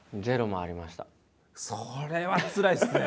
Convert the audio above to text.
それはつらいですね。